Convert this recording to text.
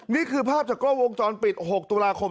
นี่คือภาพจากกล้องวงจรปิด๖ตุลาคม